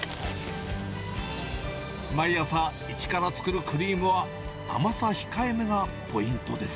毎朝、一から作るクリームは、甘さ控えめがポイントです。